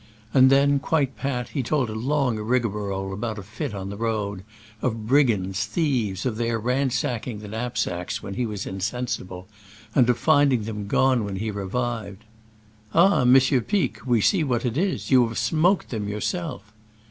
and then, quite pat, he told a long rigmarole about a fit on the road, of brigands, thieves, of their ransacking the knapsacks when he was insensible, and of finding them gone when he re vived. "Ah, Monsieur Pic ! we see what it is — you have smoked them yourself!"